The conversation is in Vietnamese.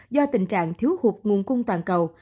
do tình trạng thiếu hụt nguồn cung toàn cầu